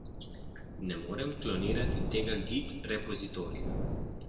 Ne morem klonirati tega git repozitorija.